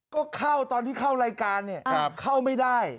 ก็เข้าตอนที่เข้ารายการเนี่ยเข้าไม่ได้